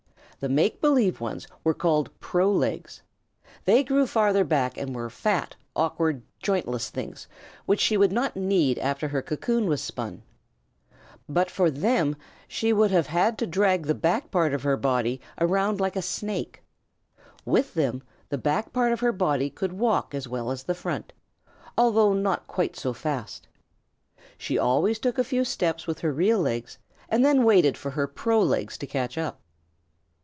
The make believe ones were called pro legs. They grew farther back and were fat, awkward, jointless things which she would not need after her cocoon was spun. But for them, she would have had to drag the back part of her body around like a Snake. With them, the back part of her body could walk as well as the front, although not quite so fast. She always took a few steps with her real legs and then waited for her pro legs to catch up.